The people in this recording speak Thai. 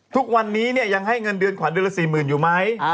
ทุกวันนี้ยังให้เงินเดือนขวัญเดือนละ๔๐๐๐อยู่ไหม